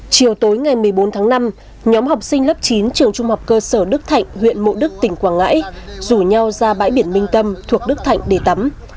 chiều tối ngày một mươi bốn tháng năm nhóm học sinh lớp chín trường trung học cơ sở đức thạnh huyện mộ đức tỉnh quảng ngãi rủ nhau ra bãi biển minh tâm thuộc đức thạnh để tắm